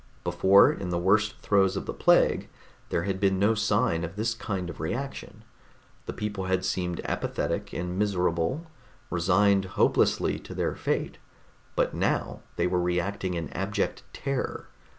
Before, in the worst throes of the plague, there had been no sign of this kind of reaction. The people had seemed apathetic and miserable, resigned hopelessly to their fate, but now they were reacting in abject terror.